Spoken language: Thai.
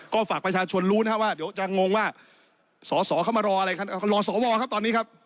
ก็ฝากประชาชนรู้นะครับว่าเดี๋ยวจะงงว่าสอสอเขามารออะไรครับ